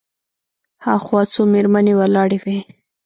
هاخوا څو مېرمنې ولاړې وې.